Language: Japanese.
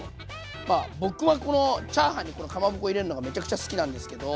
僕はこのチャーハンにかまぼこを入れるのがめちゃくちゃ好きなんですけど。